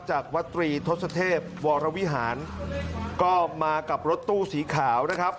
วัดตรีทศเทพวรวิหารก็มากับรถตู้สีขาวนะครับ